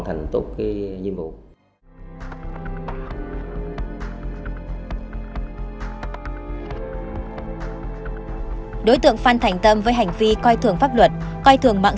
thành tục nhiệm vụ đối tượng phan thành tâm với hành vi coi thường pháp luật coi thường mạng